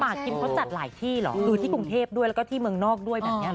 คิมเขาจัดหลายที่เหรอคือที่กรุงเทพด้วยแล้วก็ที่เมืองนอกด้วยแบบนี้